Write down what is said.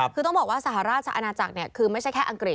คือต้องบอกว่าสหราชอาณาจักรคือไม่ใช่แค่อังกฤษ